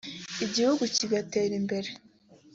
igihugu kigatera imbere